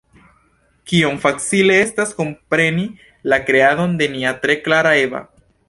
Kiom facile estas kompreni la kreadon de nia tre kara Eva!